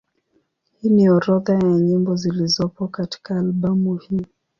Hii ni orodha ya nyimbo zilizopo katika albamu hii.